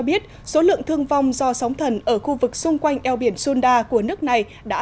biết số lượng thương vong do sóng thần ở khu vực xung quanh eo biển sunda của nước này đã